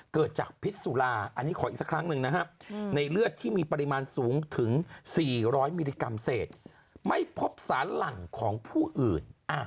เกิดจากพิษสุราอันนี้ขออีกสักครั้งหนึ่งนะครับในเลือดที่มีปริมาณสูงถึง๔๐๐มิลลิกรัมเศษไม่พบสารหลั่งของผู้อื่น